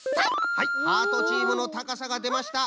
はいハートチームのたかさがでました。